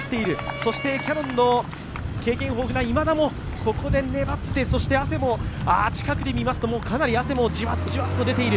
そしてキヤノンの経験豊富な今田もここで粘って、そして近くで見ますと、汗もじわじわっと出ている。